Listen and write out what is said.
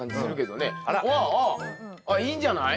あっいいんじゃない？